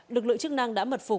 lực lượng chức năng đã mật phục